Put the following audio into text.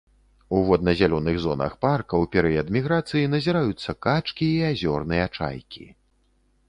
У водна-зялёных зонах парка ў перыяд міграцыі назіраюцца качкі і азёрныя чайкі.